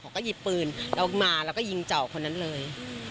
เขาก็หยิบปืนออกมาแล้วก็ยิงเจาะคนนั้นเลย